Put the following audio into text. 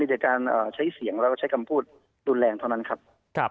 แต่การใช้เสียงแล้วก็ใช้คำพูดรุนแรงเท่านั้นครับ